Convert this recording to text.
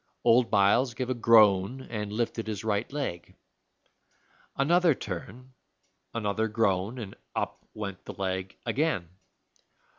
Old Byles gave a groan and lifted his right leg. Another turn, another groan, and up went the leg again.